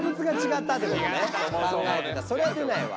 そりゃ出ないわ。